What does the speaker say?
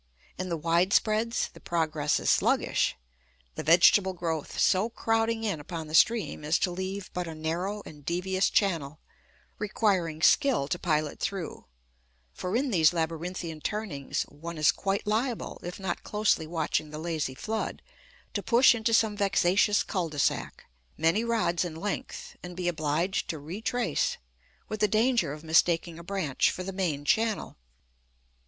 In the widespreads, the progress is sluggish, the vegetable growth so crowding in upon the stream as to leave but a narrow and devious channel, requiring skill to pilot through; for in these labyrinthian turnings one is quite liable, if not closely watching the lazy flood, to push into some vexatious cul de sac, many rods in length, and be obliged to retrace, with the danger of mistaking a branch for the main channel.